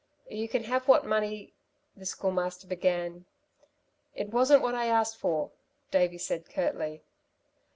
"You can have what money " the Schoolmaster began. "It wasn't what I asked for," Davey said curtly.